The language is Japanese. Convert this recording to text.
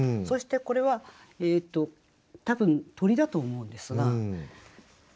そしてこれは多分鳥だと思うんですが。